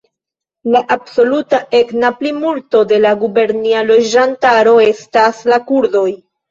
La absoluta etna plimulto de la gubernia loĝantaro estas la kurdoj.